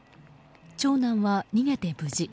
長男は逃げて無事。